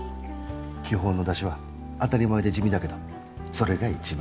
基本の出汁は当たり前で地味だけどそれが一番大事。